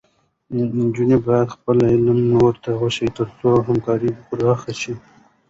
نجونې باید خپل علم نورو ته وښيي، تر څو همکاري پراخه شي.